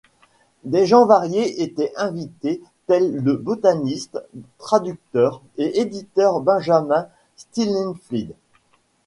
Des gens variés étaient invités, tel le botaniste, traducteur et éditeur Benjamin Stillingfleet.